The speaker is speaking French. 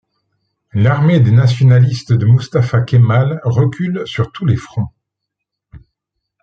L'armée des nationalistes de Mustapha Kemal recule sur tous les fronts.